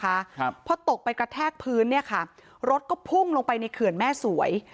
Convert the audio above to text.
ครับพอตกไปกระแทกพื้นเนี้ยค่ะรถก็พุ่งลงไปในเขื่อนแม่สวย